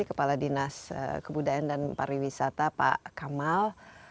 kepala dinas kebudayaan dan pariwisata pak kamal